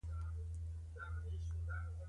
د دې سرک مؤثر عرض درې متره او د شانو عرض یو متر دی